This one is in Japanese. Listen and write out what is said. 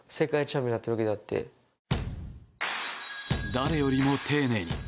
誰よりも丁寧に。